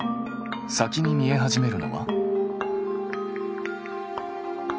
先に見え始めるのは？